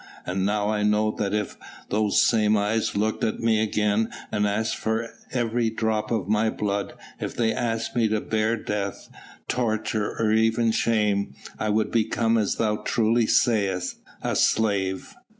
And now I know that if those same eyes looked at me again and asked for every drop of my blood, if they asked me to bear death, torture, or even shame, I would become as thou truly sayest a slave."